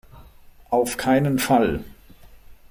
Auf keinen Fall.